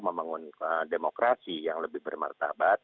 membangun demokrasi yang lebih bermartabat